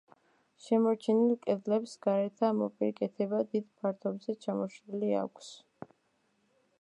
შემორჩენილ კედლებს გარეთა მოპირკეთება დიდ ფართობზე ჩამოშლილი აქვს.